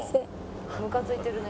むかついてるね。